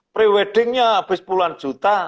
pre weddingnya habis puluhan juta